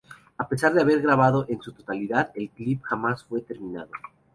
A pesar de haber grabado en su totalidad, el clip jamás fue terminado.